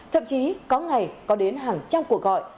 thậm chí có ngày có đến hàng trăm cuộc gọi